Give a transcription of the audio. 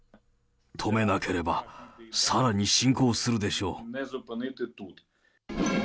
止めなければ、さらに侵攻するでしょう。